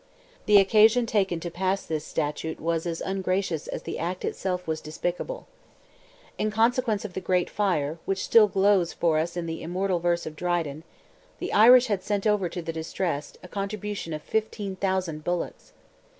The occasion taken to pass this statute was as ungracious as the act itself was despicable. In consequence of "the great fire," which still glows for us in the immortal verse of Dryden, the Irish had sent over to the distressed, a contribution of 15,000 bullocks.